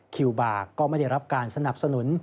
คิวบาร์ก็ไม่ได้รับการสนับสนุน